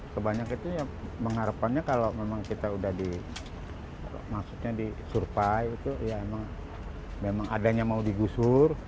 kebanyakan itu ya mengharapannya kalau memang kita sudah disurpai itu ya emang adanya mau digusur